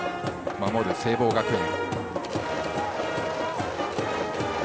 守る聖望学園。